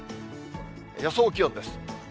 予想気温です。